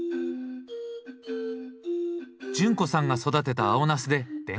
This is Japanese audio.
潤子さんが育てた青ナスで田楽。